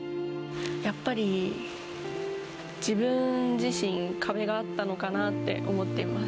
やっぱり自分自身、壁があったのかなって思ってます。